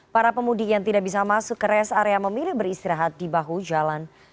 para pemudik yang tidak bisa masuk ke res area memilih beristirahat di bahu jalan